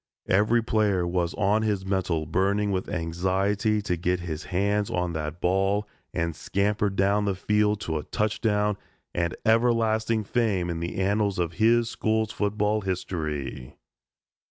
Every player was on his mettle burning with anxiety to get his hands on that ball and scamper down the field to a touchdown and everlasting fame in the annals of his school's football history.